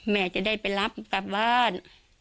แม่จะได้ไปรับกลับบ้าน